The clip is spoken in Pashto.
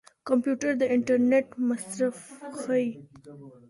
کمپيوټر د انټرنيټ مصرف ښيي.